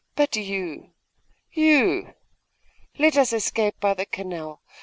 But you, you! Let us escape by the canal.